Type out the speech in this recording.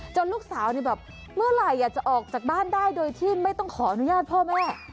ลูกสาวนี่แบบเมื่อไหร่จะออกจากบ้านได้โดยที่ไม่ต้องขออนุญาตพ่อแม่